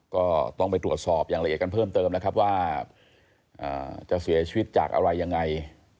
ก็ต้องไปตรวจสอบอย่างละเอียดกันเพิ่มเติมนะครับว่าจะเสียชีวิตจากอะไรยังไง